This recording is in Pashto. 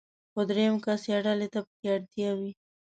خو درېم کس يا ډلې ته پکې اړتيا وي.